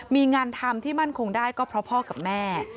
มีงานทำที่มั่นคงได้ก็เพราะพ่อกับแม่